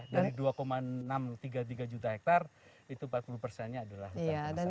dari dua enam ratus tiga puluh tiga juta hektare itu empat puluh persennya adalah hutan kemasan